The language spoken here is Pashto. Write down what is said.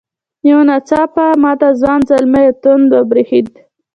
یو نا څاپه ماته ځوان زلمي او تاند وبرېښدې.